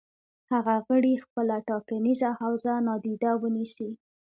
هغه غړي خپله ټاکنیزه حوزه نادیده ونیسي.